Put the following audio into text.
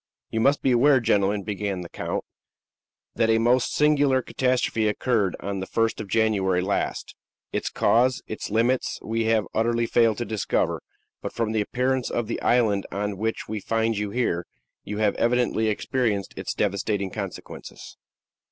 "You must be aware, gentlemen," began the count, "that a most singular catastrophe occurred on the 1st of January last. Its cause, its limits we have utterly failed to discover, but from the appearance of the island on which we find you here, you have evidently experienced its devastating consequences."